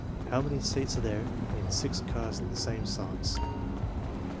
How many seats are there in 6 cars of the same size?